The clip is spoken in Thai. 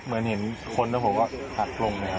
เหมือนเห็นคนแล้วผมก็หักลงเลยครับ